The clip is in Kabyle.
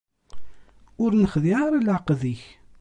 Ur nexdiɛ ara leɛqed-ik.